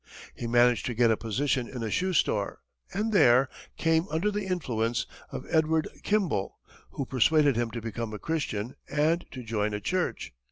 He managed to get a position in a shoe store, and there came under the influence of Edward Kimball, who persuaded him to become a Christian and to join a church.